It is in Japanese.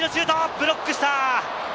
ブロックした！